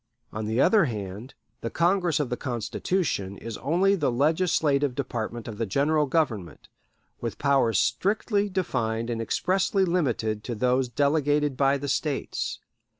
On the other hand, the Congress of the Constitution is only the legislative department of the General Government, with powers strictly defined and expressly limited to those delegated by the States.